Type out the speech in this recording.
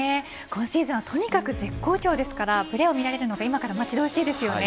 今シーズンはとにかく絶好調ですからプレーを見られるのが今から待ち遠しいですね。